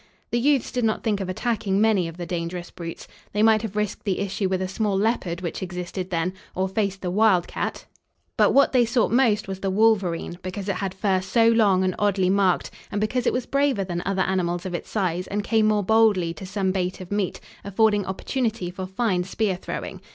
The youths did not think of attacking many of the dangerous brutes. They might have risked the issue with a small leopard which existed then, or faced the wildcat, but what they sought most was the wolverine, because it had fur so long and oddly marked, and because it was braver than other animals of its size and came more boldly to some bait of meat, affording opportunity for fine spear throwing.